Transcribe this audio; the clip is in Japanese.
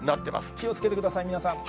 気をつけてください、皆さん。